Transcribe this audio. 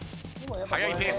速いペース。